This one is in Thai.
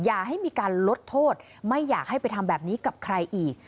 อย่าให้มีการลดโทษไม่อยากให้ไปทำแบบนี้กับใครอีก